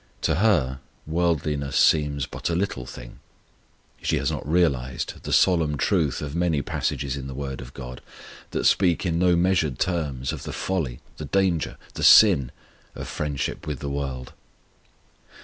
To her, worldliness seems as but a little thing: she has not realized the solemn truth of many passages in the Word of GOD that speak in no measured terms of the folly, the danger, the sin of friendship with the world.